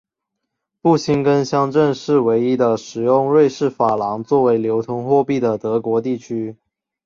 布辛根乡镇是唯一的使用瑞士法郎作为流通货币的德国地区。